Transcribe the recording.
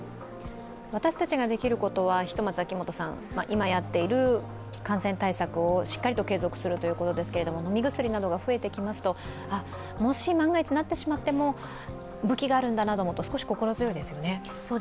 私たちができることは、今やっている感染対策をしっかりと継続することですけれども、飲み薬などが増えてきますともし万が一なってしまっても武器があるんだと思うと少し心強いですよね。